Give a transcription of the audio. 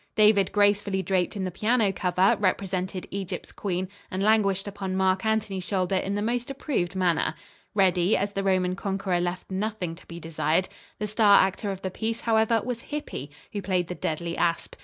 David, gracefully draped in the piano cover, represented Egypt's queen, and languished upon Marc Antony's shoulder in the most approved manner. Reddy, as the Roman conqueror left nothing to be desired. The star actor of the piece, however, was Hippy, who played the deadly asp.